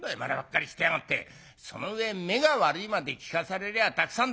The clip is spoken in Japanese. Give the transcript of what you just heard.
その上目が悪いまで聞かされりゃたくさんだ」。